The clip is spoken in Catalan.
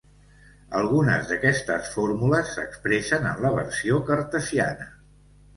Algunes d'aquestes fórmules s'expressen en la versió "cartesiana".